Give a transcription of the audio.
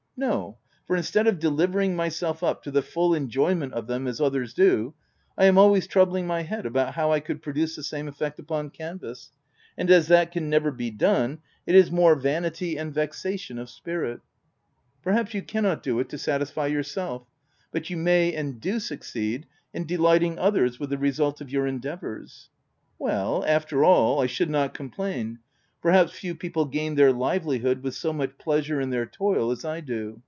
,, "No; for instead of delivering myself up to the full enjoyment of them as others do, I am always troubling my head about how I could produce the same effect upon canvass ; and as that can never be done, it is mere vanity and vexation of spirit." OF WILDFELL HALL. 171 " Perhaps you cannot do it to satisfy yourself, but you may and do succeed in delighting others with the result of your endeavours/* " Well, after all I should not complain : per haps few people gain their livelihood with so much pleasure in their toil as I do.